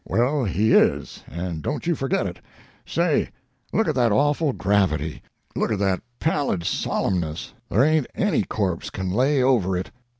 "Well, he is, and don't you forget it. Say look at that awful gravity look at that pallid solemness there ain't any corpse can lay over it."